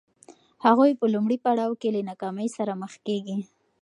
هغوی په لومړي پړاو کې له ناکامۍ سره مخ کېږي.